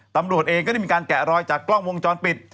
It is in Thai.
ตำรวจเองก็ได้มีการแกะรอยจากกล้องวงจรปิด